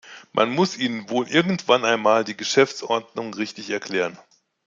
Man muss Ihnen wohl irgendwann einmal die Geschäftsordnung richtig erklären.